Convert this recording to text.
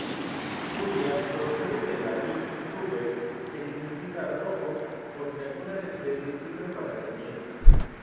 Rubia: procede del latín "ruber", que significa rojo, porque algunas especies sirven para teñir.